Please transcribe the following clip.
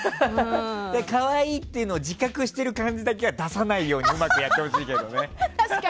可愛いっていうのを自覚している感じだけは出さないようにうまくやってほしいけどね。